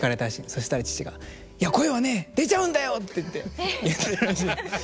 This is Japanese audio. そしたら父が「いや声はね出ちゃうんだよ！」っていって言ったらしいんです。